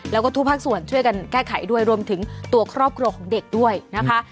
แล้วก็ทุกภาคส่วนช่วยกันแก้ไขด้วยรวมถึงตัวครอบครัวของเด็กด้วยนะคะ